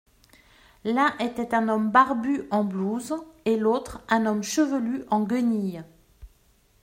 L'un était un homme barbu en blouse et l'autre un homme chevelu en guenilles.